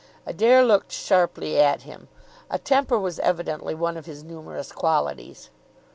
Adair looked sharply at him. A temper was evidently one of his numerous qualities.